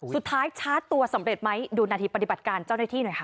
สุดท้ายชาร์จตัวสำเร็จไหมดูนาทีปฏิบัติการเจ้าหน้าที่หน่อยค่ะ